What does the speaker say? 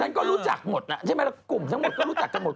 มันก็รู้จักหมดน่ะใช่ไหมแล้วกลุ่มทั้งหมดก็รู้จักกันหมด